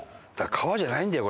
川じゃないんだよ